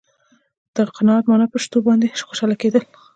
د قناعت معنا په شتو باندې خوشاله کېدل.